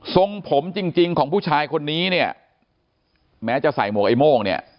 ทรงผมจริงของผู้ชายคนนี้เนี่ยแม้จะใส่หมวกไอ้โม่งเนี่ย